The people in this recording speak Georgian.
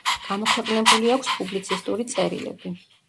გამოქვეყნებული აქვს პუბლიცისტური წერილები.